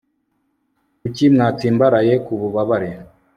kuki watsimbaraye ku bubabare